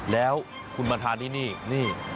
แล้วคุณมาทานเท่านี้